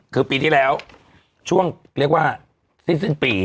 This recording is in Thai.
คือปีที่แล้วช่วงเรียกว่าสิ้นปี